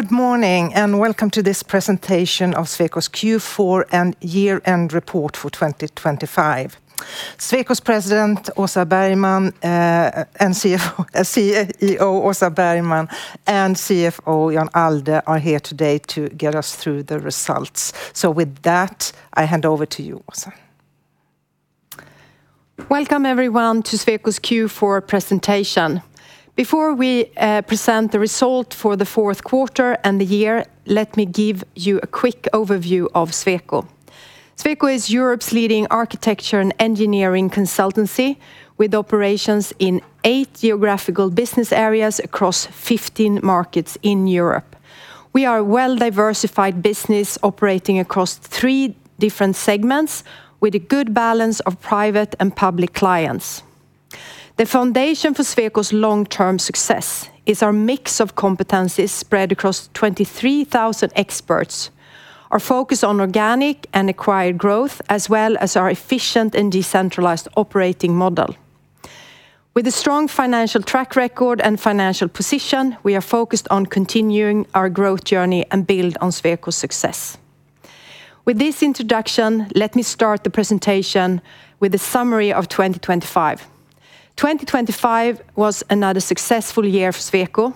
Good morning and welcome to this presentation of Sweco's Q4 and year-end report for 2025. Sweco's President Åsa Bergman, CEO Åsa Bergman, and CFO Jan Allde are here today to get us through the results. With that, I hand over to you, Åsa. Welcome everyone to Sweco's Q4 presentation. Before we present the result for the fourth quarter and the year, let me give you a quick overview of Sweco. Sweco is Europe's leading architecture and engineering consultancy with operations in 8 geographical business areas across 15 markets in Europe. We are a well-diversified business operating across three different segments with a good balance of private and public clients. The foundation for Sweco's long-term success is our mix of competencies spread across 23,000 experts, our focus on organic and acquired growth, as well as our efficient and decentralized operating model. With a strong financial track record and financial position, we are focused on continuing our growth journey and build on Sweco's success. With this introduction, let me start the presentation with a summary of 2025. 2025 was another successful year for Sweco.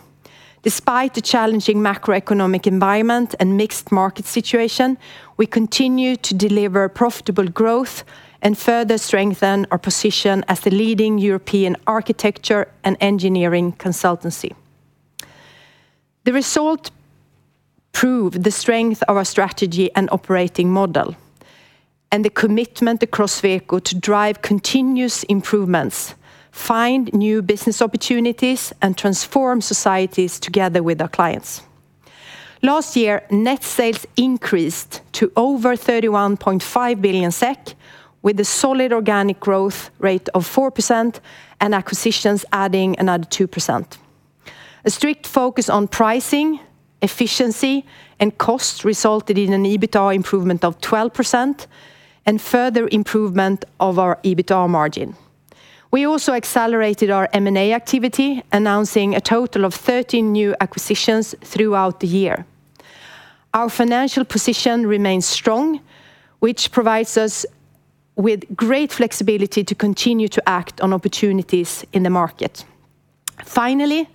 Despite the challenging macroeconomic environment and mixed market situation, we continue to deliver profitable growth and further strengthen our position as the leading European architecture and engineering consultancy. The result proved the strength of our strategy and operating model, and the commitment across Sweco to drive continuous improvements, find new business opportunities, and transform societies together with our clients. Last year, net sales increased to over 31.5 billion SEK with a solid organic growth rate of 4% and acquisitions adding another 2%. A strict focus on pricing, efficiency, and cost resulted in an EBITDA improvement of 12% and further improvement of our EBITDA margin. We also accelerated our M&A activity, announcing a total of 13 new acquisitions throughout the year. Our financial position remains strong, which provides us with great flexibility to continue to act on opportunities in the market. Finally,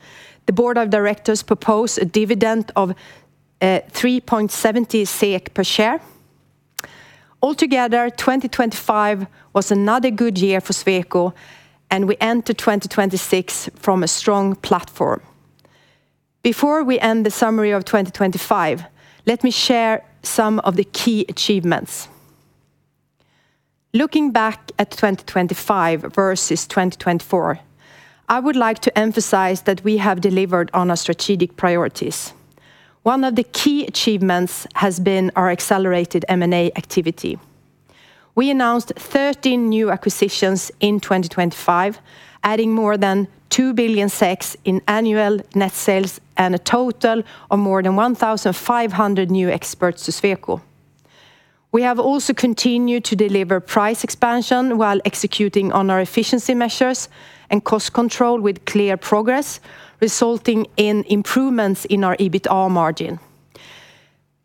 the board of directors proposed a dividend of 3.70 SEK per share. Altogether, 2025 was another good year for Sweco, and we entered 2026 from a strong platform. Before we end the summary of 2025, let me share some of the key achievements. Looking back at 2025 versus 2024, I would like to emphasize that we have delivered on our strategic priorities. One of the key achievements has been our accelerated M&A activity. We announced 13 new acquisitions in 2025, adding more than 2 billion in annual net sales and a total of more than 1,500 new experts to Sweco. We have also continued to deliver price expansion while executing on our efficiency measures and cost control with clear progress, resulting in improvements in our EBITDA margin.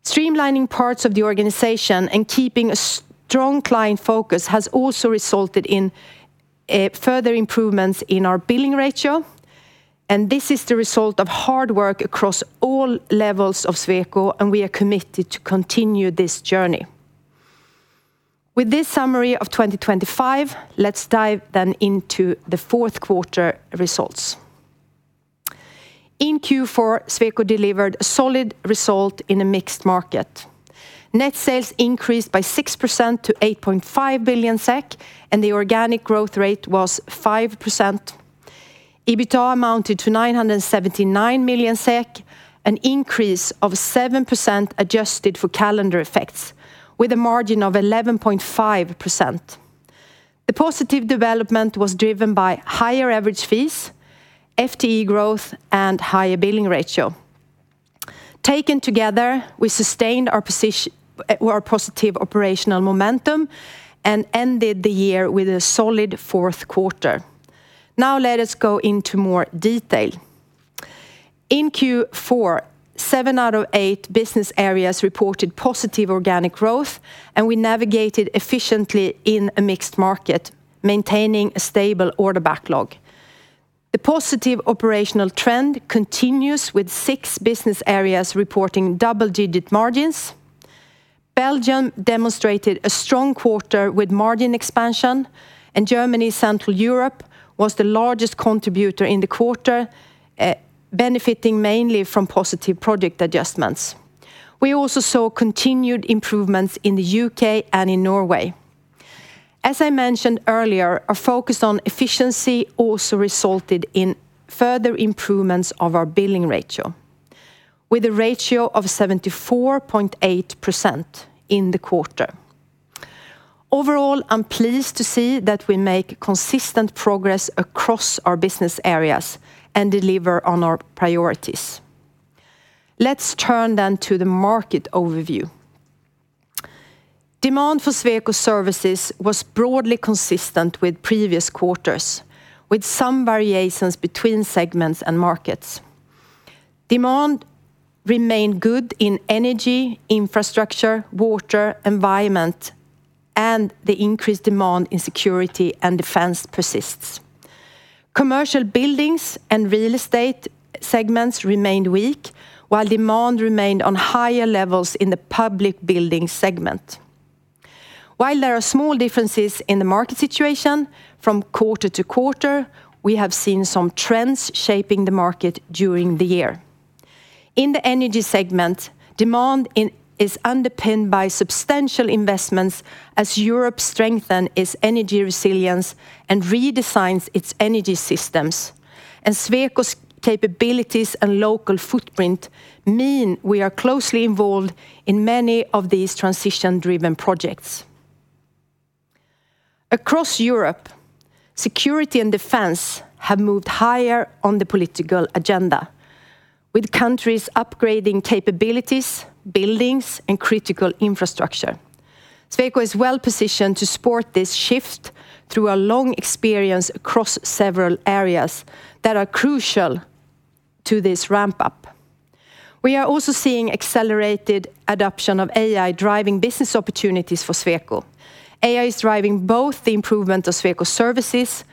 Streamlining parts of the organization and keeping a strong client focus has also resulted in further improvements in our billing ratio, and this is the result of hard work across all levels of Sweco, and we are committed to continue this journey. With this summary of 2025, let's dive then into the fourth quarter results. In Q4, Sweco delivered a solid result in a mixed market. Net sales increased by 6% to 8.5 billion SEK, and the organic growth rate was 5%. EBITDA amounted to 979 million SEK, an increase of 7% adjusted for calendar effects, with a margin of 11.5%. The positive development was driven by higher average fees, FTE growth, and higher billing ratio. Taken together, we sustained our positive operational momentum and ended the year with a solid fourth quarter. Now let us go into more detail. In Q4, 7 out of 8 business areas reported positive organic growth, and we navigated efficiently in a mixed market, maintaining a stable order backlog. The positive operational trend continues with 6 business areas reporting double-digit margins. Belgium demonstrated a strong quarter with margin expansion, and Germany and Central Europe was the largest contributor in the quarter, benefiting mainly from positive project adjustments. We also saw continued improvements in the UK and in Norway. As I mentioned earlier, our focus on efficiency also resulted in further improvements of our billing ratio, with a ratio of 74.8% in the quarter. Overall, I'm pleased to see that we make consistent progress across our business areas and deliver on our priorities. Let's turn then to the market overview. Demand for Sweco services was broadly consistent with previous quarters, with some variations between segments and markets. Demand remained good in energy, infrastructure, water, environment, and the increased demand in security and defense persists. Commercial buildings and real estate segments remained weak, while demand remained on higher levels in the public building segment. While there are small differences in the market situation from quarter to quarter, we have seen some trends shaping the market during the year. In the energy segment, demand is underpinned by substantial investments as Europe strengthens its energy resilience and redesigns its energy systems, and Sweco's capabilities and local footprint mean we are closely involved in many of these transition-driven projects. Across Europe, security and defense have moved higher on the political agenda, with countries upgrading capabilities, buildings, and critical infrastructure. Sweco is well positioned to support this shift through our long experience across several areas that are crucial to this ramp-up. We are also seeing accelerated adoption of AI driving business opportunities for Sweco. AI is driving both the improvement of Sweco services,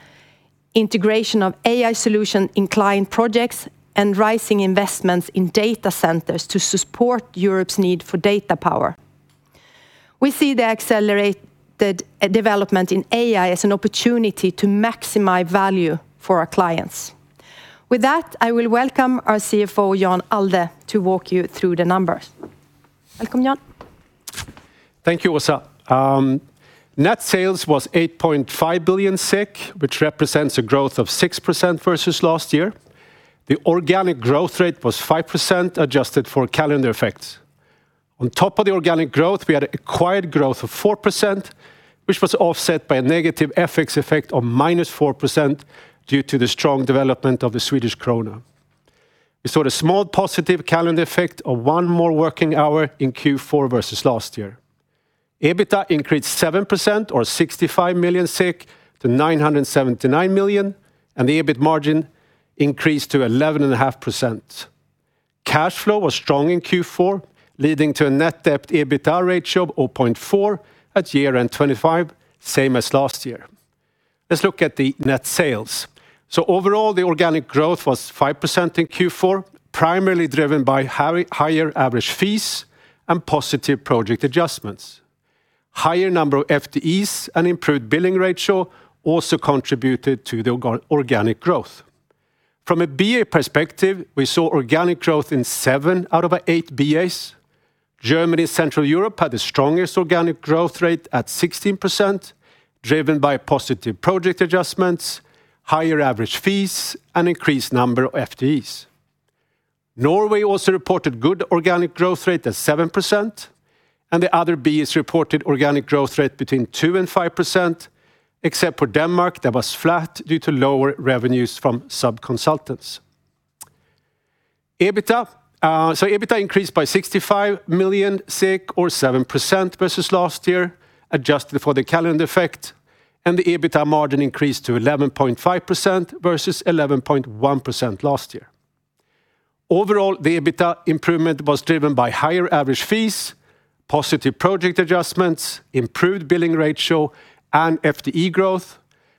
integration of AI solutions in client projects, and rising investments in data centers to support Europe's need for data power. We see the accelerated development in AI as an opportunity to maximize value for our clients. With that, I will welcome our CFO Jan Allde to walk you through the numbers. Welcome, Jan. Thank you, Åsa. Net sales was 8.5 billion, which represents a growth of 6% versus last year. The organic growth rate was 5% adjusted for calendar effects. On top of the organic growth, we had acquired growth of 4%, which was offset by a negative FX effect of -4% due to the strong development of the Swedish krona. We saw a small positive calendar effect of one more working hour in Q4 versus last year. EBITDA increased 7%, or 65 million, to 979 million, and the EBIT margin increased to 11.5%. Cash flow was strong in Q4, leading to a net debt/EBITDA ratio of 0.4 at year-end 2025, same as last year. Let's look at the net sales. So overall, the organic growth was 5% in Q4, primarily driven by higher average fees and positive project adjustments. A higher number of FTEs and improved billing ratio also contributed to the organic growth. From a BA perspective, we saw organic growth in 7 out of 8 BAs. Germany and Central Europe had the strongest organic growth rate at 16%, driven by positive project adjustments, higher average fees, and an increased number of FTEs. Norway also reported a good organic growth rate at 7%, and the other BAs reported an organic growth rate between 2%-5%, except for Denmark that was flat due to lower revenues from subconsultants. EBITDA increased by 65 million, or 7% versus last year, adjusted for the calendar effect, and the EBITDA margin increased to 11.5% versus 11.1% last year. Overall, the EBITDA improvement was driven by higher average fees, positive project adjustments, improved billing ratio, and FTE growth,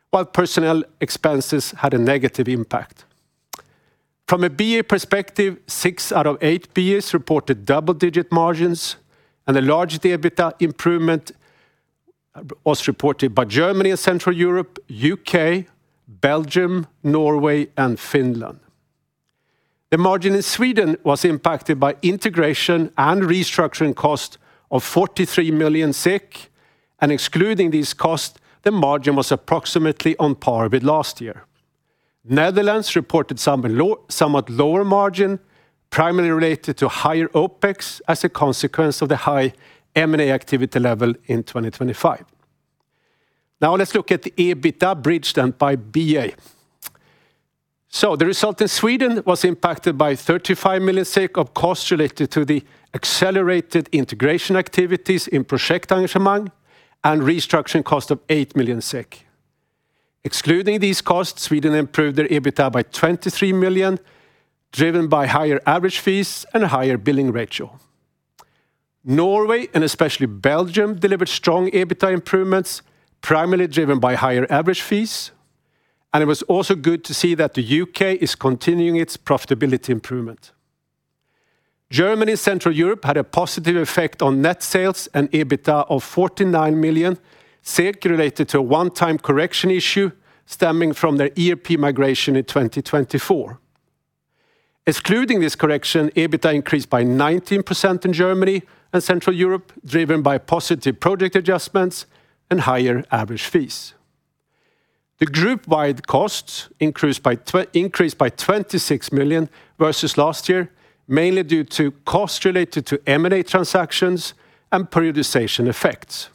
while personnel expenses had a negative impact. From a BA perspective, 6 out of 8 BAs reported double-digit margins, and the largest EBITDA improvement was reported by Germany and Central Europe, the UK, Belgium, Norway, and Finland. The margin in Sweden was impacted by integration and restructuring costs of 43 million, and excluding these costs, the margin was approximately on par with last year. The Netherlands reported a somewhat lower margin, primarily related to higher OPEX as a consequence of the high M&A activity level in 2025. Now let's look at the EBITDA bridged by BA. So the result in Sweden was impacted by 35 million of costs related to the accelerated integration activities in Projektengagemang and restructuring costs of 8 million SEK. Excluding these costs, Sweden improved their EBITDA by 23 million, driven by higher average fees and a higher billing ratio. Norway, and especially Belgium, delivered strong EBITDA improvements, primarily driven by higher average fees, and it was also good to see that the UK is continuing its profitability improvement. Germany and Central Europe had a positive effect on net sales and EBITDA of 49 million related to a one-time correction issue stemming from their ERP migration in 2024. Excluding this correction, EBITDA increased by 19% in Germany and Central Europe, driven by positive project adjustments and higher average fees. The group-wide costs increased by 26 million versus last year, mainly due to costs related to M&A transactions and periodization effects.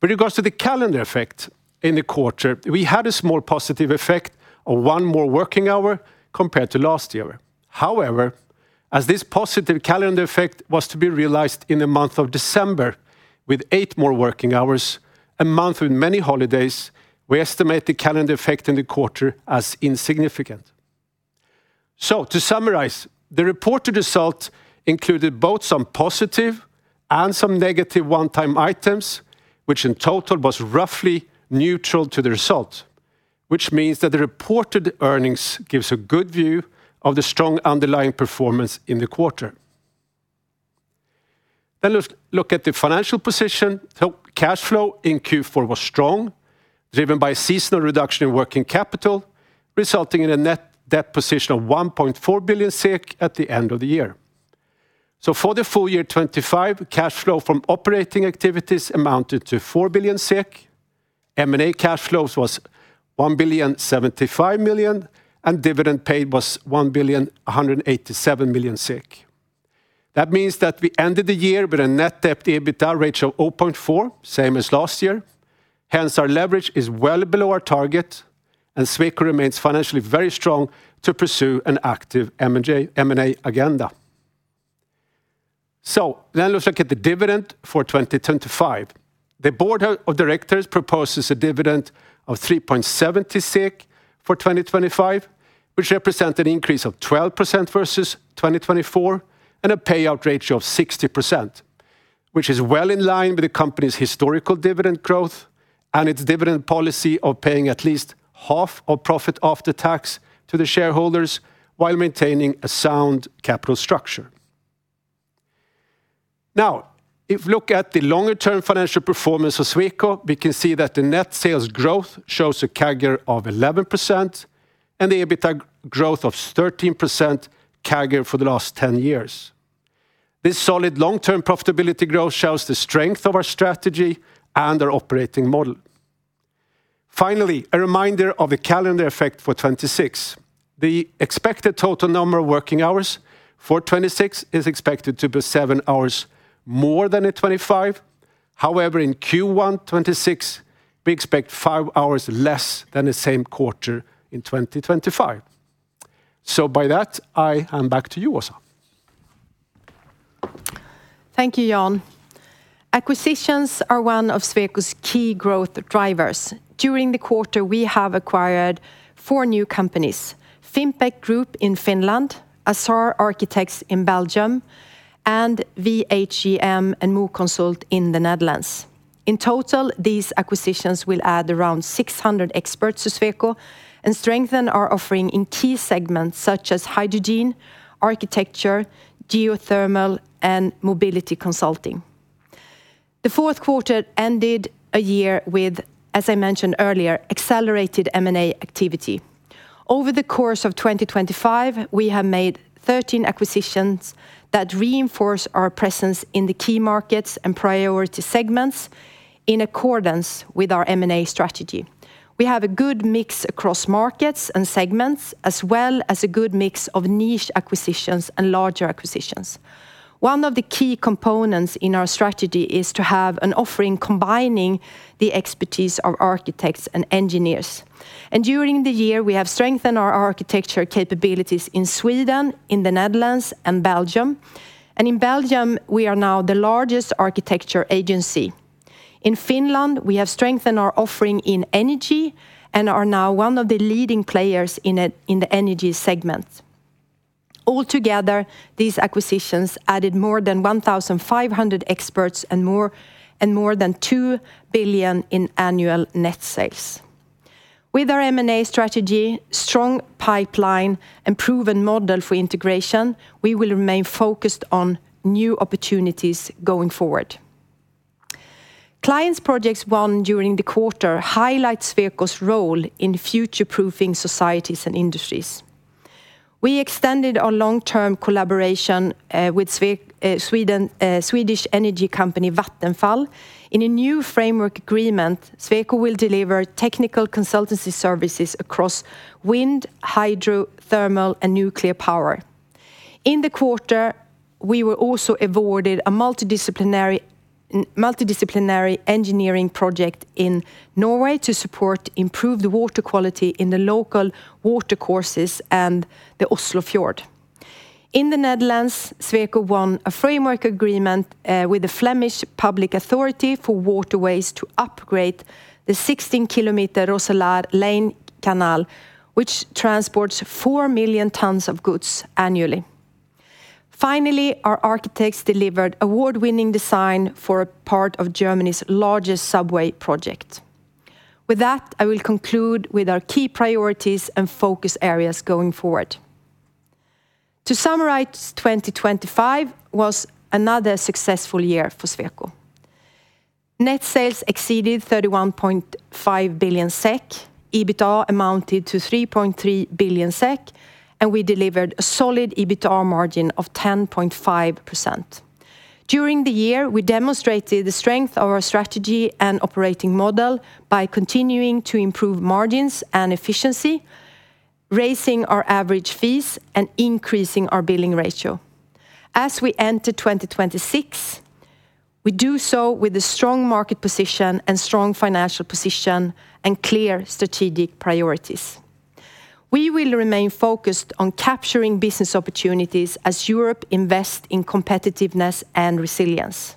With regards to the calendar effect in the quarter, we had a small positive effect of one more working hour compared to last year. However, as this positive calendar effect was to be realized in the month of December with eight more working hours, a month with many holidays, we estimate the calendar effect in the quarter as insignificant. So to summarize, the reported result included both some positive and some negative one-time items, which in total was roughly neutral to the result, which means that the reported earnings give us a good view of the strong underlying performance in the quarter. Then let's look at the financial position. Cash flow in Q4 was strong, driven by a seasonal reduction in working capital, resulting in a net debt position of 1.4 billion SEK at the end of the year. So for the full year 2025, cash flow from operating activities amounted to 4 billion SEK. M&A cash flows were 1.075 billion, and dividend paid was 1.187 billion. That means that we ended the year with a net debt/EBITDA ratio of 0.4, same as last year. Hence, our leverage is well below our target, and Sweco remains financially very strong to pursue an active M&A agenda. So then let's look at the dividend for 2025. The board of directors proposes a dividend of 3.70 for 2025, which represents an increase of 12% versus 2024, and a payout ratio of 60%, which is well in line with the company's historical dividend growth and its dividend policy of paying at least half of profit after tax to the shareholders while maintaining a sound capital structure. Now, if we look at the longer-term financial performance of Sweco, we can see that the net sales growth shows a CAGR of 11% and the EBITDA growth of 13% CAGR for the last 10 years. This solid long-term profitability growth shows the strength of our strategy and our operating model. Finally, a reminder of the calendar effect for 2026. The expected total number of working hours for 2026 is expected to be 7 hours more than in 2025. However, in Q1 2026, we expect 5 hours less than the same quarter in 2025. So by that, I am back to you, Åsa. Thank you, Jan. Acquisitions are one of Sweco's key growth drivers. During the quarter, we have acquired four new companies: Fimpec Group in Finland, Assar Architects in Belgium, and VHGM and MuConsult in the Netherlands. In total, these acquisitions will add around 600 experts to Sweco and strengthen our offering in key segments such as hydrogen, architecture, geothermal, and mobility consulting. The fourth quarter ended a year with, as I mentioned earlier, accelerated M&A activity. Over the course of 2025, we have made 13 acquisitions that reinforce our presence in the key markets and priority segments in accordance with our M&A strategy. We have a good mix across markets and segments, as well as a good mix of niche acquisitions and larger acquisitions. One of the key components in our strategy is to have an offering combining the expertise of architects and engineers. During the year, we have strengthened our architecture capabilities in Sweden, in the Netherlands, and Belgium. In Belgium, we are now the largest architecture agency. In Finland, we have strengthened our offering in energy and are now one of the leading players in the energy segment. Altogether, these acquisitions added more than 1,500 experts and more than 2 billion in annual net sales. With our M&A strategy, strong pipeline, and proven model for integration, we will remain focused on new opportunities going forward. Clients' projects won during the quarter highlight Sweco's role in future-proofing societies and industries. We extended our long-term collaboration with Swedish energy company Vattenfall. In a new framework agreement, Sweco will deliver technical consultancy services across wind, hydro, thermal, and nuclear power. In the quarter, we were also awarded a multidisciplinary engineering project in Norway to support improved water quality in the local water courses and the Oslofjord. In the Netherlands, Sweco won a framework agreement with De Vlaamse Waterweg to upgrade the 16-kilometer Roeselare-Leie Canal, which transports 4 million tons of goods annually. Finally, our architects delivered award-winning design for a part of Germany's largest subway project. With that, I will conclude with our key priorities and focus areas going forward. To summarize, 2025 was another successful year for Sweco. Net sales exceeded 31.5 billion SEK, EBITDA amounted to 3.3 billion SEK, and we delivered a solid EBITDA margin of 10.5%. During the year, we demonstrated the strength of our strategy and operating model by continuing to improve margins and efficiency, raising our average fees, and increasing our billing ratio. As we entered 2026, we do so with a strong market position and strong financial position and clear strategic priorities. We will remain focused on capturing business opportunities as Europe invests in competitiveness and resilience.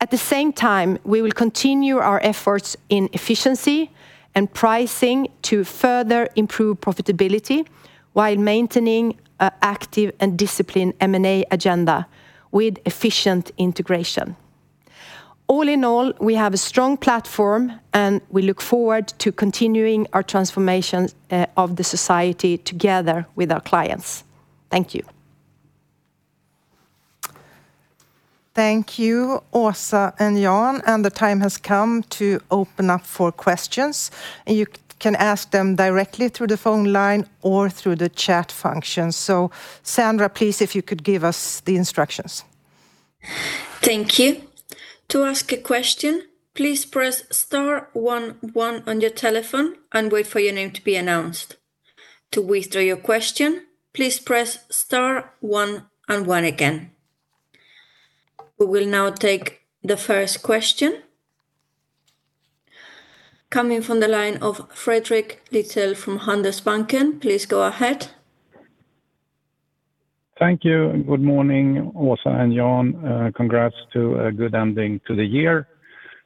At the same time, we will continue our efforts in efficiency and pricing to further improve profitability while maintaining an active and disciplined M&A agenda with efficient integration. All in all, we have a strong platform, and we look forward to continuing our transformation of the society together with our clients. Thank you. Thank you, Åsa and Jan. The time has come to open up for questions. You can ask them directly through the phone line or through the chat function. Sandra, please, if you could give us the instructions. Thank you. To ask a question, please press star 11 on your telephone and wait for your name to be announced. To withdraw your question, please press star 1 and 1 again. We will now take the first question. Coming from the line of Fredrik Lithell from Handelsbanken, please go ahead. Thank you. Good morning, Åsa and Jan. Congrats to a good ending to the year.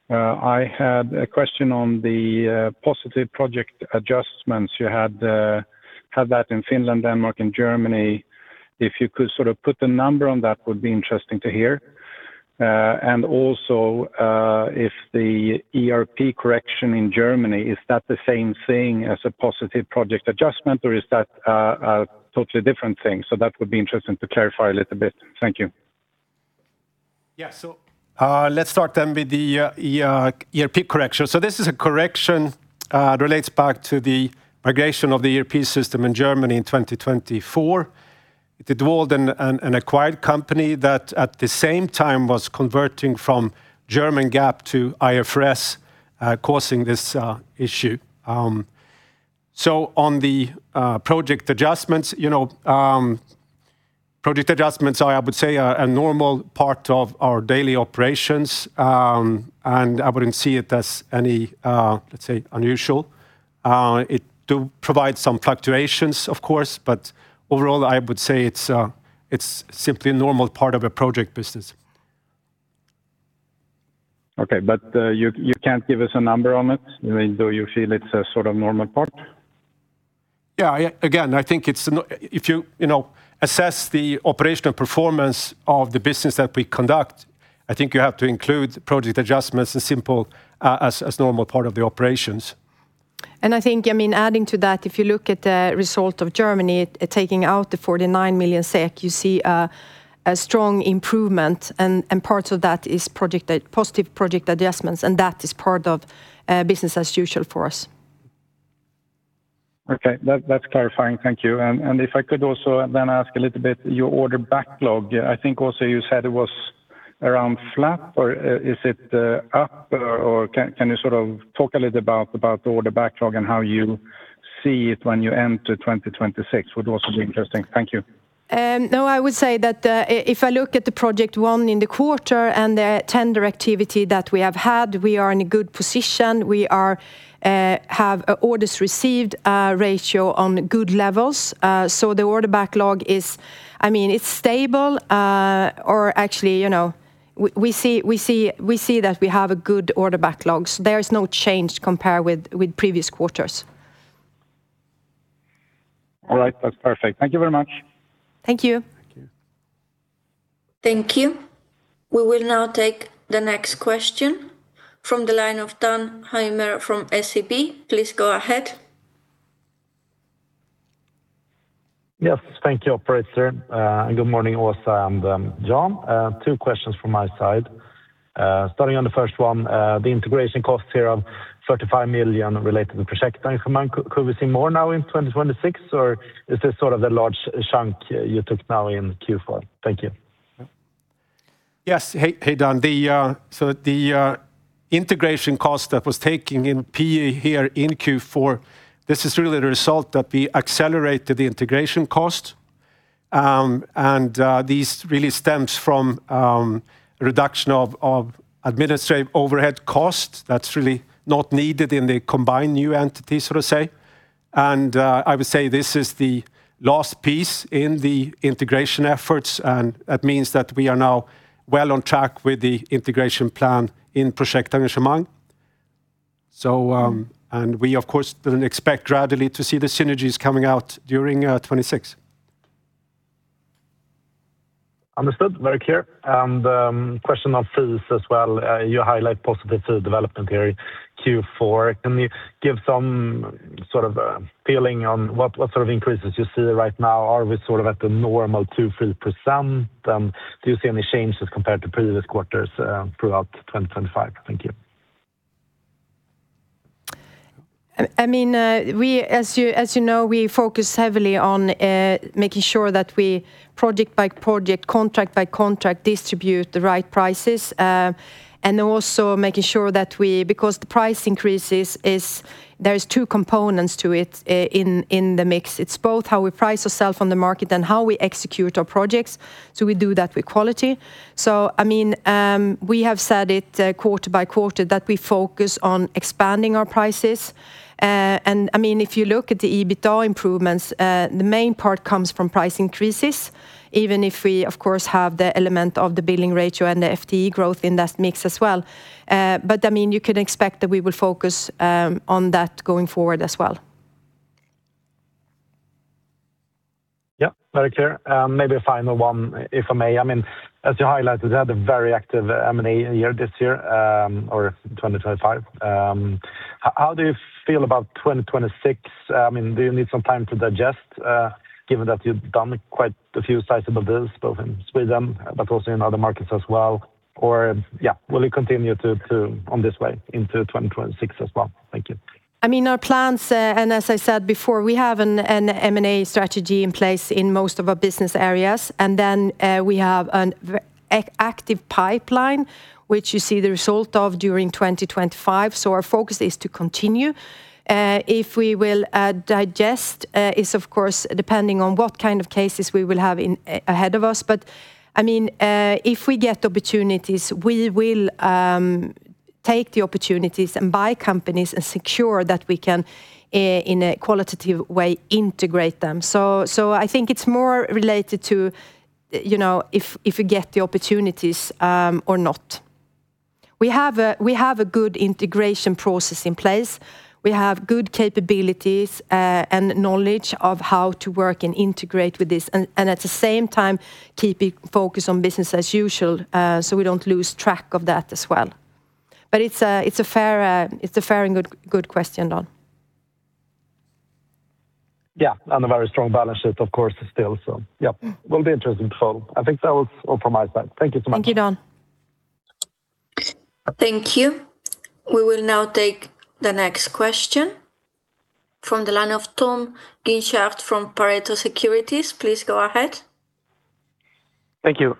I had a question on the positive project adjustments. You had that in Finland, Denmark, and Germany. If you could sort of put a number on that, it would be interesting to hear. And also, if the ERP correction in Germany, is that the same thing as a positive project adjustment, or is that a totally different thing? So that would be interesting to clarify a little bit. Thank you. Yeah, so let's start then with the ERP correction. So this is a correction that relates back to the migration of the ERP system in Germany in 2024. It evolved and acquired a company that at the same time was converting from German GAAP to IFRS, causing this issue. So on the project adjustments, project adjustments are, I would say, a normal part of our daily operations, and I wouldn't see it as any, let's say, unusual. It does provide some fluctuations, of course, but overall, I would say it's simply a normal part of a project business. Okay, but you can't give us a number on it? Do you feel it's a sort of normal part? Yeah, again, I think if you assess the operational performance of the business that we conduct, I think you have to include project adjustments as a normal part of the operations. I think, I mean, adding to that, if you look at the result of Germany taking out the 49 million SEK, you see a strong improvement, and part of that is positive project adjustments, and that is part of business as usual for us. Okay, that's clarifying. Thank you. If I could also then ask a little bit, your order backlog, I think also you said it was around flat, or is it up, or can you sort of talk a little bit about the order backlog and how you see it when you enter 2026? Would also be interesting. Thank you. No, I would say that if I look at the project won in the quarter and the tender activity that we have had, we are in a good position. We have an orders received ratio on good levels. So the order backlog is, I mean, it's stable, or actually, we see that we have a good order backlog. So there is no change compared with previous quarters. All right, that's perfect. Thank you very much. Thank you. Thank you. We will now take the next question from the line of Dan Johansson from SEB. Please go ahead. Yes, thank you, operator. Good morning, Åsa and Jan. Two questions from my side. Starting on the first one, the integration costs here of 35 million related to Projektengagemang, could we see more now in 2026, or is this sort of the large chunk you took now in Q4? Thank you. Yes, hey Dan. So the integration cost that was taken in PE here in Q4, this is really the result that we accelerated the integration cost. And this really stems from a reduction of administrative overhead costs that's really not needed in the combined new entities, so to say. And I would say this is the last piece in the integration efforts, and that means that we are now well on track with the integration plan in Projektengagemang. And we, of course, then expect gradually to see the synergies coming out during 2026. Understood, very clear. Question on fees as well. You highlight positive fee development here in Q4. Can you give some sort of feeling on what sort of increases you see right now? Are we sort of at the normal 2%-3%? Do you see any changes compared to previous quarters throughout 2025? Thank you. I mean, as you know, we focus heavily on making sure that we, project by project, contract by contract, distribute the right prices. And also making sure that we, because the price increases, there are two components to it in the mix. It's both how we price ourselves on the market and how we execute our projects. So we do that with quality. So, I mean, we have said it quarter by quarter that we focus on expanding our prices. And, I mean, if you look at the EBITDA improvements, the main part comes from price increases, even if we, of course, have the element of the billing ratio and the FTE growth in that mix as well. But, I mean, you can expect that we will focus on that going forward as well. Yeah, very clear. Maybe a final one, if I may. I mean, as you highlighted, we had a very active M&A year this year, or 2025. How do you feel about 2026? I mean, do you need some time to digest, given that you've done quite a few sizable deals, both in Sweden but also in other markets as well? Or, yeah, will you continue on this way into 2026 as well? Thank you. I mean, our plans, and as I said before, we have an M&A strategy in place in most of our business areas. And then we have an active pipeline, which you see the result of during 2025. So our focus is to continue. If we will digest this, of course, depending on what kind of cases we will have ahead of us. But, I mean, if we get opportunities, we will take the opportunities and buy companies and secure that we can, in a qualitative way, integrate them. So I think it's more related to if we get the opportunities or not. We have a good integration process in place. We have good capabilities and knowledge of how to work and integrate with this, and at the same time, keeping focus on business as usual, so we don't lose track of that as well. But it's a fair and good question, Dan. Yeah, and a very strong balance sheet, of course, still. So yeah, it will be interesting to follow. I think that was all from my side. Thank you so much. Thank you, Dan. Thank you. We will now take the next question from the line of Tom Guinchard from Pareto Securities. Please go ahead. Thank you.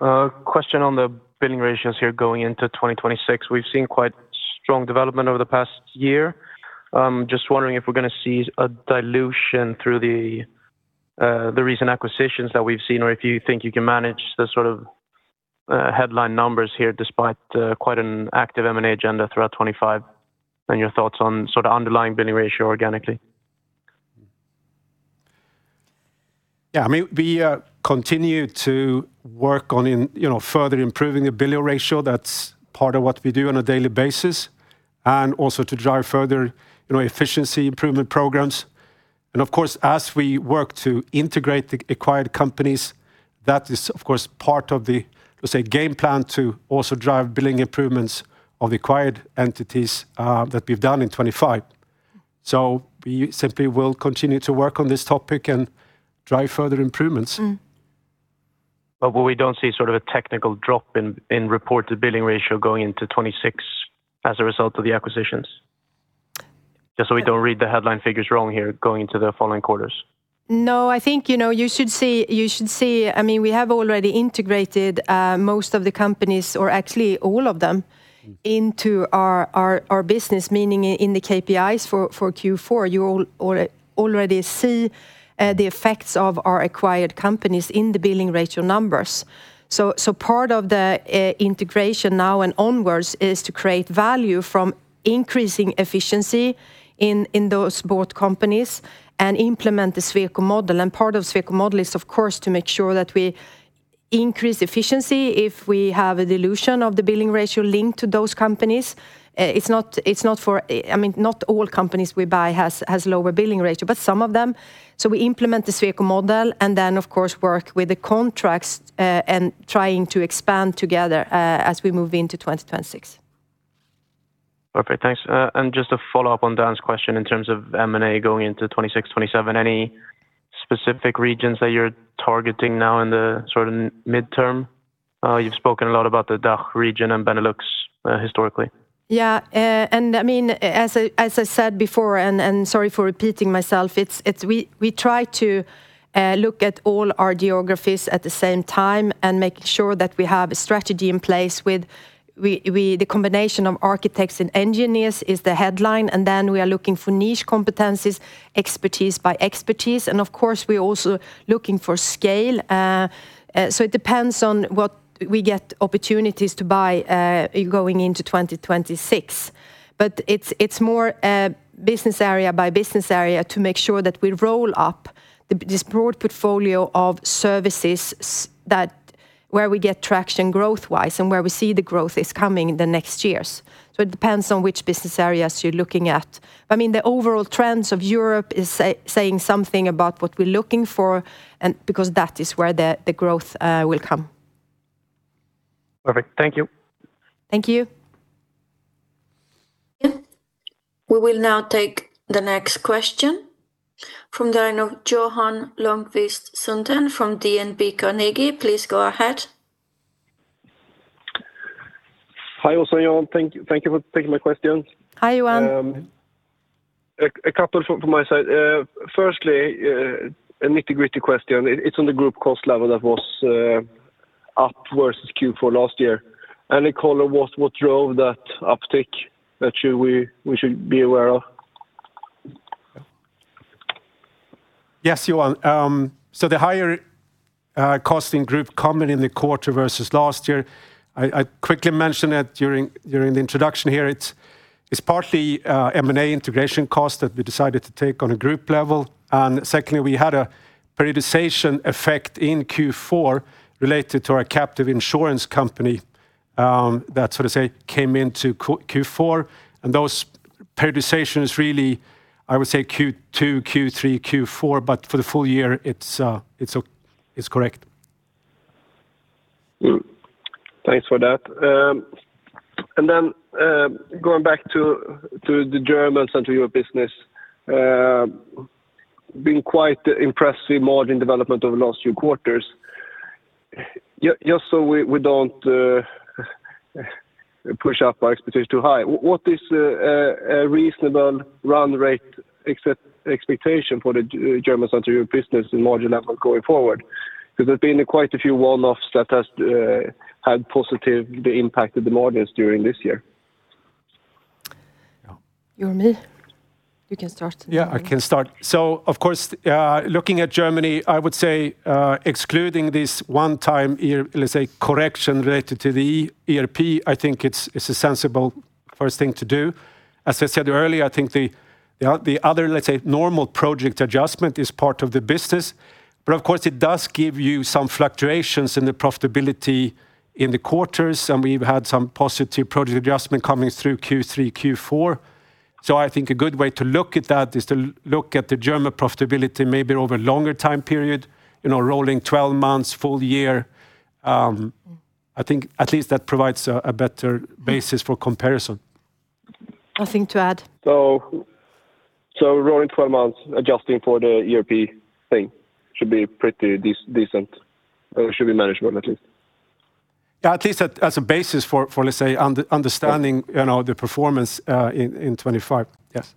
Question on the billing ratios here going into 2026. We've seen quite strong development over the past year. Just wondering if we're going to see a dilution through the recent acquisitions that we've seen, or if you think you can manage the sort of headline numbers here despite quite an active M&A agenda throughout 2025, and your thoughts on sort of underlying billing ratio organically. Yeah, I mean, we continue to work on further improving the billing ratio. That's part of what we do on a daily basis, and also to drive further efficiency improvement programs. And, of course, as we work to integrate the acquired companies, that is, of course, part of the, let's say, game plan to also drive billing improvements of the acquired entities that we've done in 2025. So we simply will continue to work on this topic and drive further improvements. Will we don't see sort of a technical drop in reported billing ratio going into 2026 as a result of the acquisitions? Just so we don't read the headline figures wrong here going into the following quarters. No, I think you should see, I mean, we have already integrated most of the companies, or actually all of them, into our business, meaning in the KPIs for Q4. You already see the effects of our acquired companies in the billing ratio numbers. So part of the integration now and onward is to create value from increasing efficiency in those both companies and implement the Sweco model. And part of the Sweco model is, of course, to make sure that we increase efficiency if we have a dilution of the billing ratio linked to those companies. It's not for, I mean, not all companies we buy have a lower billing ratio, but some of them. So we implement the Sweco model and then, of course, work with the contracts and trying to expand together as we move into 2026. Perfect, thanks. And just to follow up on Dan's question in terms of M&A going into 2026-2027, any specific regions that you're targeting now in the sort of midterm? You've spoken a lot about the DACH region and Benelux historically. Yeah, and I mean, as I said before, and sorry for repeating myself, we try to look at all our geographies at the same time and make sure that we have a strategy in place with the combination of architects and engineers is the headline, and then we are looking for niche competencies, expertise by expertise. And, of course, we are also looking for scale. So it depends on what we get opportunities to buy going into 2026. But it's more business area by business area to make sure that we roll up this broad portfolio of services where we get traction growth-wise and where we see the growth is coming in the next years. So it depends on which business areas you're looking at. But, I mean, the overall trends of Europe are saying something about what we're looking for because that is where the growth will come. Perfect, thank you. Thank you. We will now take the next question from the line of Johan Lönnqvist Sundén from Carnegie. Please go ahead. Hi all, so Jan, thank you for taking my question. Hi, Johan. A couple from my side. Firstly, a nitty-gritty question. It's on the group cost level that was up versus Q4 last year. And in color, what drove that uptick that we should be aware of? Yes, Johan. So the higher cost in group coming in the quarter versus last year, I quickly mentioned it during the introduction here. It's partly M&A integration cost that we decided to take on a group level. And secondly, we had a periodization effect in Q4 related to our captive insurance company that, so to say, came into Q4. And those periodizations really, I would say, Q2, Q3, Q4, but for the full year, it's correct. Thanks for that. And then going back to the German and Central Europe business, been quite impressed with margin development over the last few quarters. Just so we don't push up our expectations too high, what is a reasonable run rate expectation for the German Central Europe business in margin level going forward? Because there's been quite a few one-offs that have had positive impact on the margins during this year. You or me? You can start. Yeah, I can start. So, of course, looking at Germany, I would say excluding this one-time year, let's say, correction related to the ERP, I think it's a sensible first thing to do. As I said earlier, I think the other, let's say, normal project adjustment is part of the business. But, of course, it does give you some fluctuations in the profitability in the quarters, and we've had some positive project adjustment coming through Q3, Q4. So I think a good way to look at that is to look at the German profitability maybe over a longer time period, rolling 12 months, full year. I think at least that provides a better basis for comparison. Nothing to add. Rolling 12 months, adjusting for the ERP thing should be pretty decent, or should be manageable at least. Yeah, at least as a basis for, let's say, understanding the performance in 2025. Yes.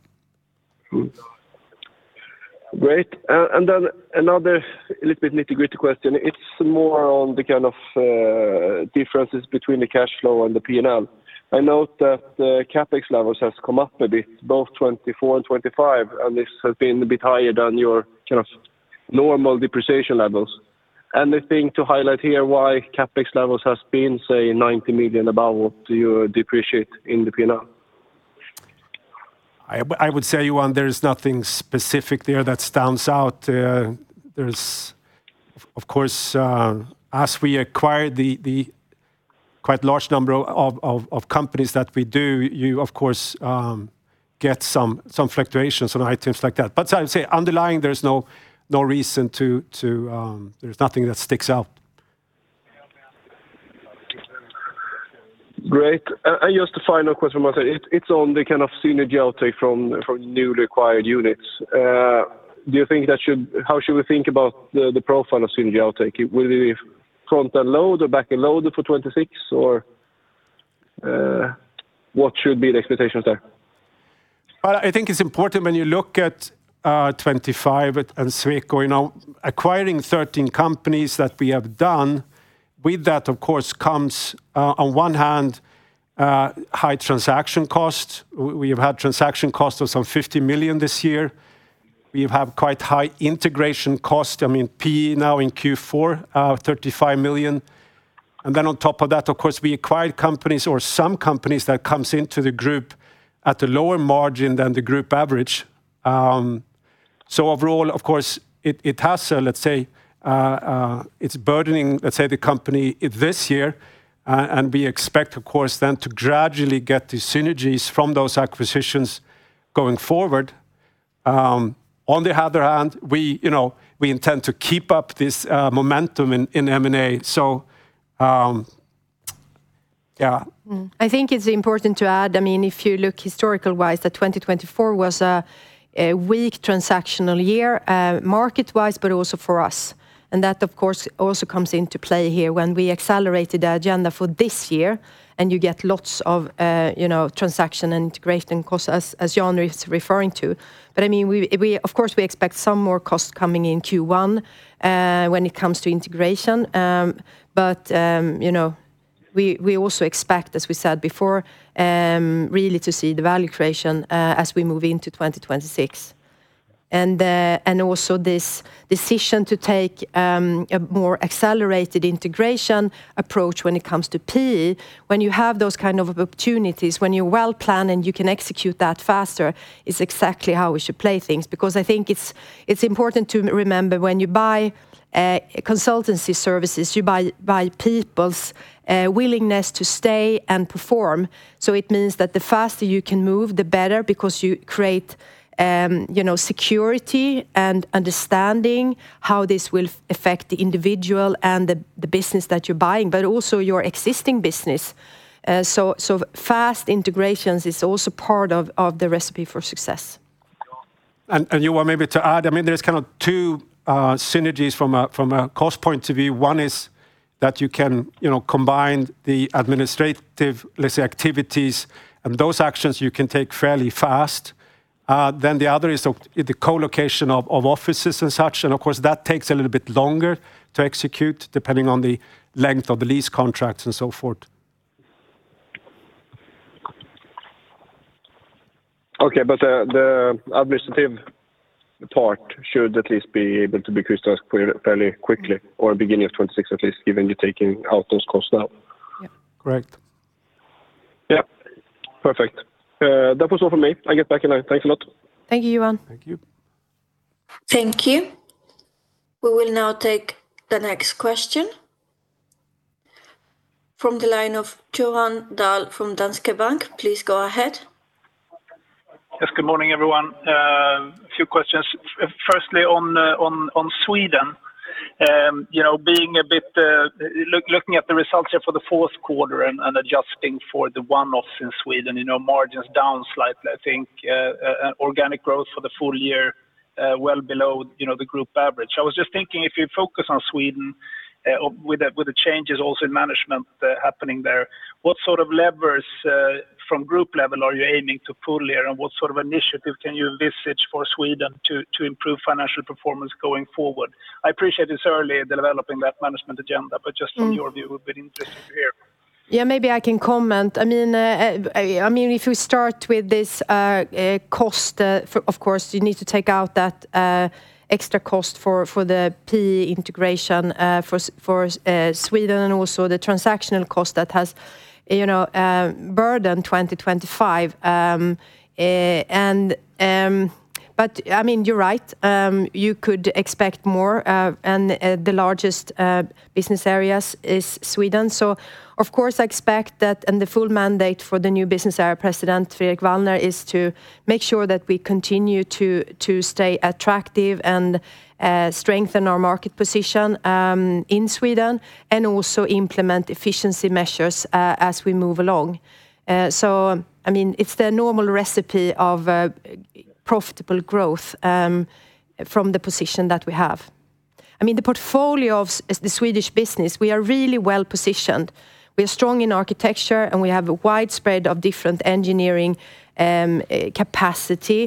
Great. And then another a little bit nitty-gritty question. It's more on the kind of differences between the cash flow and the P&L. I note that the CapEx levels have come up a bit, both 2024 and 2025, and this has been a bit higher than your kind of normal depreciation levels. Anything to highlight here why CapEx levels have been, say, 90 million above what you depreciate in the P&L? I would say, Johan, there's nothing specific there that stands out. There's, of course, as we acquired the quite large number of companies that we do, you, of course, get some fluctuations on items like that. But, as I say, underlying, there's no reason to. There's nothing that sticks out. Great. And just a final question from my side. It's on the kind of synergy outtake from newly acquired units. Do you think that should, how should we think about the profile of synergy outtake? Will it be front-end load or back-end loader for 2026, or what should be the expectations there? I think it's important when you look at 2025 and Sweco acquiring 13 companies that we have done. With that, of course, comes, on one hand, high transaction costs. We have had transaction costs of some 50 million this year. We have had quite high integration costs, I mean, PE now in Q4, 35 million. And then on top of that, of course, we acquired companies or some companies that come into the group at a lower margin than the group average. So overall, of course, it has, let's say, it's burdening, let's say, the company this year. And we expect, of course, then to gradually get these synergies from those acquisitions going forward. On the other hand, we intend to keep up this momentum in M&A. So yeah. I think it's important to add. I mean, if you look historically-wise, that 2024 was a weak transactional year market-wise, but also for us. And that, of course, also comes into play here when we accelerated the agenda for this year, and you get lots of transaction and integration costs, as Jan is referring to. But, I mean, of course, we expect some more costs coming in Q1 when it comes to integration. But we also expect, as we said before, really to see the value creation as we move into 2026. And also this decision to take a more accelerated integration approach when it comes to PE. When you have those kind of opportunities, when you're well-planned and you can execute that faster, is exactly how we should play things. Because I think it's important to remember when you buy consultancy services, you buy people's willingness to stay and perform. So it means that the faster you can move, the better, because you create security and understanding how this will affect the individual and the business that you're buying, but also your existing business. So fast integrations is also part of the recipe for success. And Johan, maybe to add, I mean, there's kind of two synergies from a cost point of view. One is that you can combine the administrative, let's say, activities and those actions you can take fairly fast. Then the other is the collocation of offices and such. And, of course, that takes a little bit longer to execute, depending on the length of the lease contracts and so forth. Okay, but the administrative part should at least be able to be crystallized fairly quickly, or the beginning of 2026 at least, given you're taking out those costs now. Yeah, correct. Yeah, perfect. That was all from me. I'll get back in line. Thanks a lot. Thank you, Johan. Thank you. Thank you. We will now take the next question from the line of Johan Dahl from Danske Bank. Please go ahead. Yes, good morning, everyone. A few questions. Firstly, on Sweden, being a bit, looking at the results here for the fourth quarter and adjusting for the one-offs in Sweden, margins down slightly, I think, organic growth for the full year well below the group average. I was just thinking if you focus on Sweden with the changes also in management happening there, what sort of levers from group level are you aiming to pull here, and what sort of initiative can you envisage for Sweden to improve financial performance going forward? I appreciate it's early developing that management agenda, but just from your view, it would be interesting to hear. Yeah, maybe I can comment. I mean, if we start with this cost, of course, you need to take out that extra cost for the PE integration for Sweden and also the transactional cost that has burdened 2025. But, I mean, you're right. You could expect more, and the largest business area is Sweden. So, of course, I expect that, and the full mandate for the new Business Area President, Fredrik Wallner, is to make sure that we continue to stay attractive and strengthen our market position in Sweden and also implement efficiency measures as we move along. So, I mean, it's the normal recipe of profitable growth from the position that we have. I mean, the portfolio of the Swedish business, we are really well-positioned. We are strong in architecture, and we have a widespread of different engineering capacity.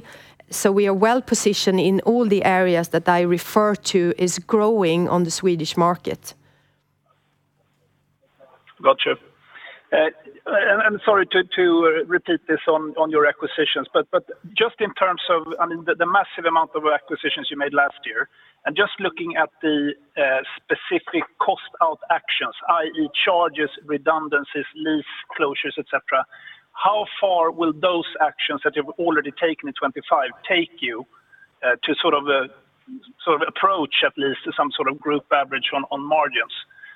We are well-positioned in all the areas that I refer to as growing on the Swedish market. Gotcha. Sorry to repeat this on your acquisitions, but just in terms of, I mean, the massive amount of acquisitions you made last year, and just looking at the specific cost-out actions, i.e., charges, redundancies, lease closures, etc., how far will those actions that you've already taken in 2025 take you to sort of approach at least some sort of group average on margins?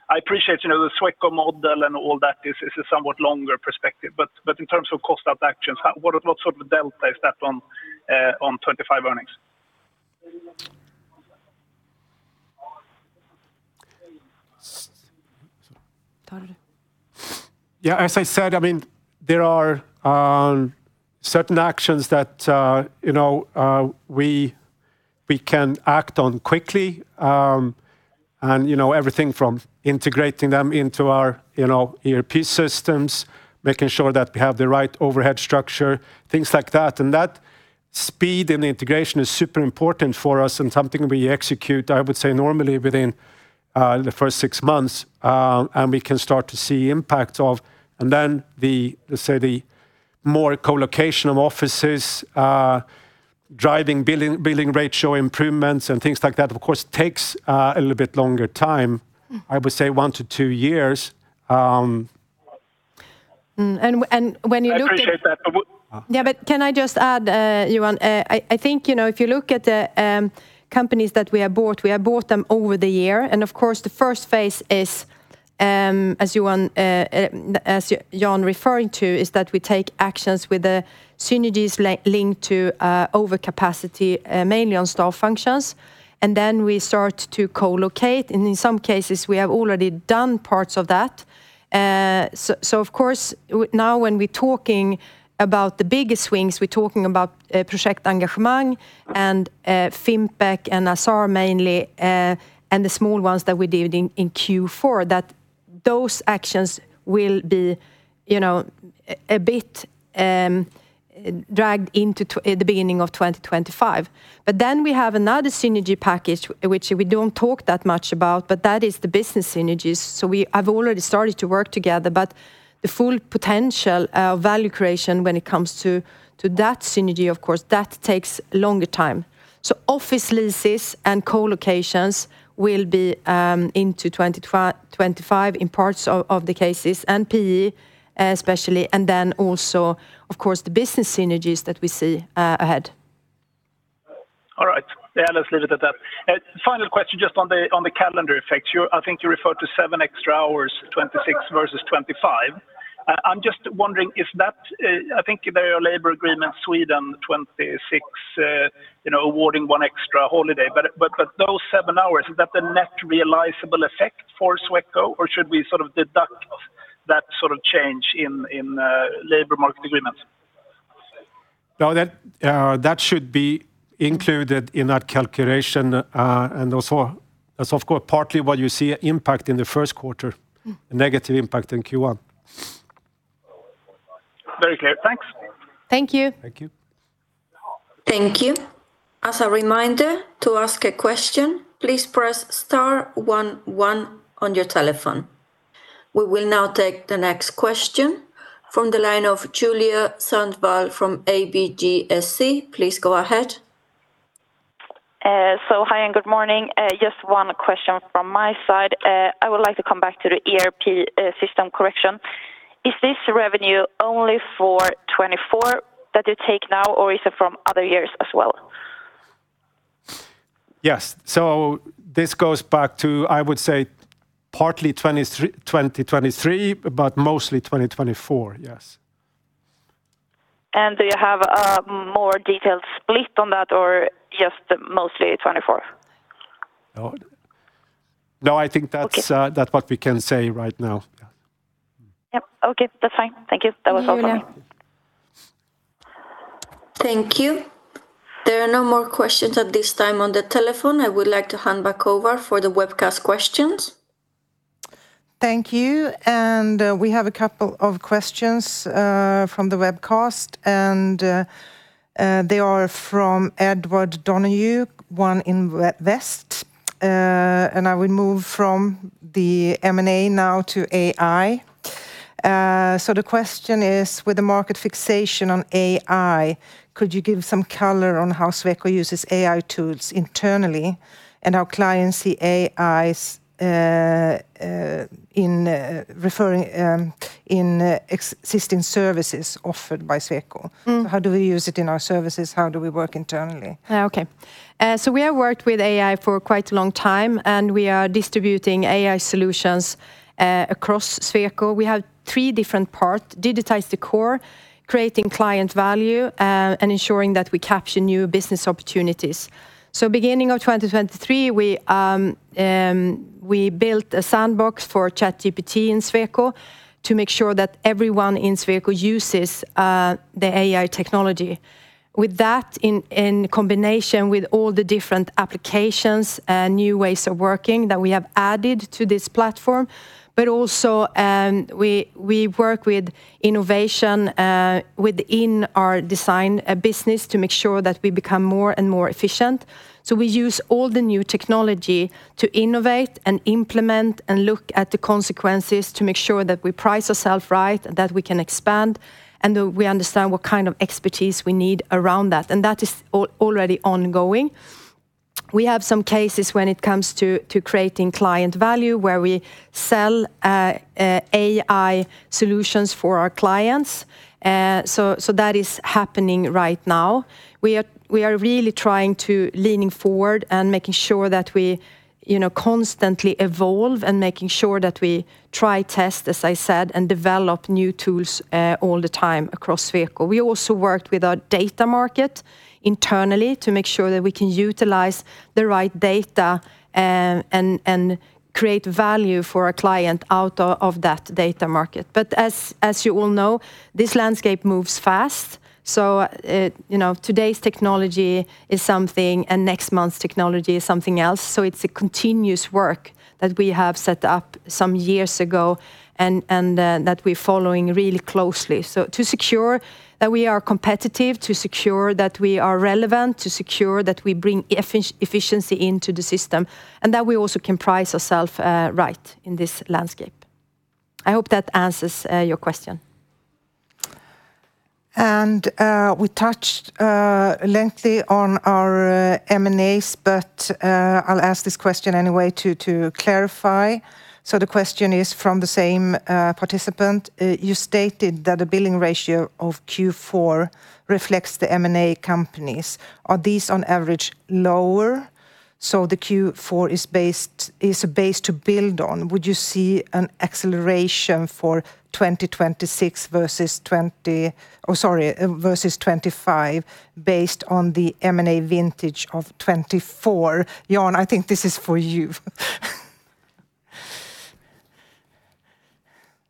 I appreciate the Sweco model and all that is a somewhat longer perspective, but in terms of cost-out actions, what sort of delta is that on 2025 earnings? Yeah, as I said, I mean, there are certain actions that we can act on quickly. Everything from integrating them into our ERP systems, making sure that we have the right overhead structure, things like that. That speed in the integration is super important for us and something we execute, I would say, normally within the first 6 months, and we can start to see impact of. Then the, let's say, the more co-location of offices, driving billing ratio improvements, and things like that, of course, takes a little bit longer time. I would say 1-2 years. When you look at. I appreciate that. Yeah, but can I just add, Johan? I think if you look at the companies that we have bought, we have bought them over the year. And, of course, the first phase is, as Johan is referring to, is that we take actions with the synergies linked to overcapacity, mainly on staff functions. And then we start to collocate. And in some cases, we have already done parts of that. So, of course, now when we're talking about the big swings, we're talking about Projektengagemang and Fimpec and Assar mainly, and the small ones that we did in Q4, that those actions will be a bit dragged into the beginning of 2025. But then we have another synergy package, which we don't talk that much about, but that is the business synergies. So, we have already started to work together, but the full potential of value creation when it comes to that synergy, of course, that takes longer time. So, office leases and collocations will be into 2025 in parts of the cases, and PE especially, and then also, of course, the business synergies that we see ahead. All right. Yeah, let's leave it at that. Final question just on the calendar effects. I think you referred to 7 extra hours, 2026 versus 2025. I'm just wondering if that, I think there are labor agreements in Sweden 2026 awarding 1 extra holiday, but those 7 hours, is that the net realizable effect for Sweco, or should we sort of deduct that sort of change in labor market agreements? No, that should be included in that calculation. And also, that's of course partly what you see impact in the first quarter, a negative impact in Q1. Very clear. Thanks. Thank you. Thank you. Thank you. As a reminder to ask a question, please press star 11 on your telephone. We will now take the next question from the line of Julia Sundvall from ABGSC. Please go ahead. So hi, and good morning. Just one question from my side. I would like to come back to the ERP system correction. Is this revenue only for 2024 that you take now, or is it from other years as well? Yes. So this goes back to, I would say, partly 2023, but mostly 2024, yes. Do you have a more detailed split on that, or just mostly 2024? No, I think that's what we can say right now. Yep. Okay, that's fine. Thank you. That was all from me. Thank you. There are no more questions at this time on the telephone. I would like to hand back over for the webcast questions. Thank you. We have a couple of questions from the webcast, and they are from Edward Donohue, one in the webcast. I will move from the M&A now to AI. The question is, with the market fixation on AI, could you give some color on how Sweco uses AI tools internally and how clients see AI in existing services offered by Sweco? How do we use it in our services? How do we work internally? Yeah, okay. So we have worked with AI for quite a long time, and we are distributing AI solutions across Sweco. We have three different parts: digitize the core, creating client value, and ensuring that we capture new business opportunities. So beginning of 2023, we built a sandbox for ChatGPT in Sweco to make sure that everyone in Sweco uses the AI technology. With that, in combination with all the different applications and new ways of working that we have added to this platform, but also we work with innovation within our design business to make sure that we become more and more efficient. So we use all the new technology to innovate and implement and look at the consequences to make sure that we price ourselves right, that we can expand, and that we understand what kind of expertise we need around that. And that is already ongoing. We have some cases when it comes to creating client value where we sell AI solutions for our clients. So that is happening right now. We are really trying to lean forward and making sure that we constantly evolve and making sure that we try tests, as I said, and develop new tools all the time across Sweco. We also worked with our data market internally to make sure that we can utilize the right data and create value for our client out of that data market. But as you all know, this landscape moves fast. So today's technology is something, and next month's technology is something else. So it's a continuous work that we have set up some years ago and that we're following really closely. To secure that we are competitive, to secure that we are relevant, to secure that we bring efficiency into the system, and that we also can price ourselves right in this landscape. I hope that answers your question. We touched lengthily on our M&As, but I'll ask this question anyway to clarify. The question is from the same participant. You stated that the billing ratio of Q4 reflects the M&A companies. Are these, on average, lower? The Q4 is a base to build on. Would you see an acceleration for 2026 versus 2025 based on the M&A vintage of 2024? Johan, I think this is for you.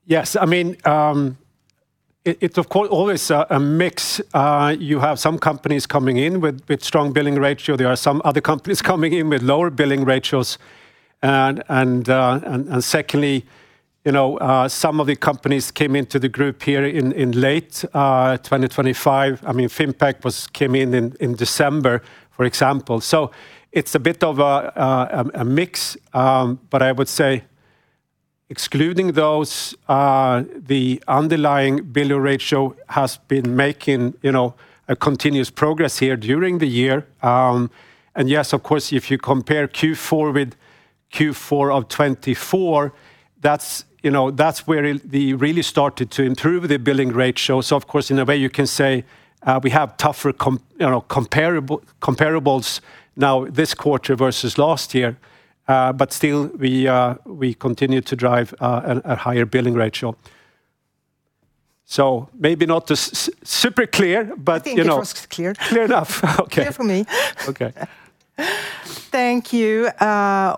Yes. I mean, it's of course always a mix. You have some companies coming in with strong billing ratio. There are some other companies coming in with lower billing ratios. And secondly, some of the companies came into the group here in late 2025. I mean, Fimpec came in in December, for example. So it's a bit of a mix, but I would say excluding those, the underlying billing ratio has been making a continuous progress here during the year. And yes, of course, if you compare Q4 with Q4 of 2024, that's where we really started to improve the billing ratio. So, of course, in a way, you can say we have tougher comparables now this quarter versus last year, but still we continue to drive a higher billing ratio. So maybe not super clear, but. I think your ask is clear. Clear enough. Okay. Clear for me. Okay. Thank you.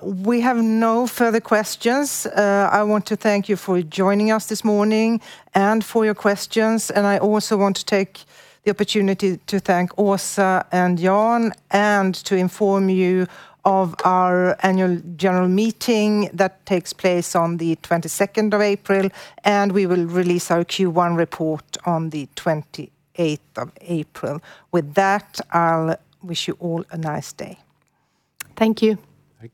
We have no further questions. I want to thank you for joining us this morning and for your questions. I also want to take the opportunity to thank Åsa and Johan and to inform you of our annual general meeting that takes place on the 22nd of April, and we will release our Q1 report on the 28th of April. With that, I'll wish you all a nice day. Thank you. Thank you.